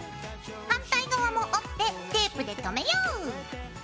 反対側も折ってテープでとめよう。